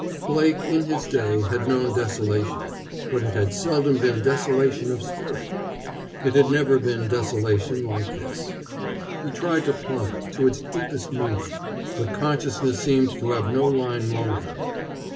Blake, in his day, had known desolation, but it had seldom been desolation of spirit. It had never been desolation like this. He tried to plumb it, to its deepest meaning, but consciousness seemed to have no line long enough.